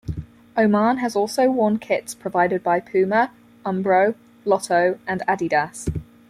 Oman has also worn kits provided by Puma, Umbro, Lotto and Adidas.